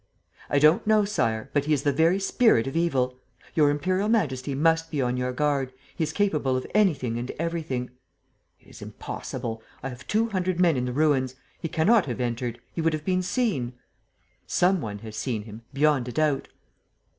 "I don't know, Sire, but he is the very spirit of evil. Your Imperial Majesty must be on your guard: he is capable of anything and everything." "It is impossible! I have two hundred men in the ruins. He cannot have entered. He would have been seen." "Some one has seen him, beyond a doubt."